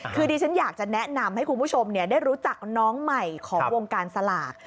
คือดิฉันอยากจะแนะนำให้คุณผู้ชมได้รู้จักน้องใหม่ของวงการสลาก